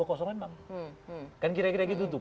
kan kira kira gitu tuh